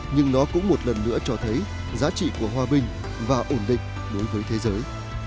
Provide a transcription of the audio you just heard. nhưng nó cũng một lần nữa cho thấy giá trị của hòa bình và ổn định đối với thế giới